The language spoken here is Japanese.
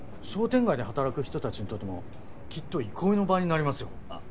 商店街で働く人たちにとってもきっと憩いの場になりますよ。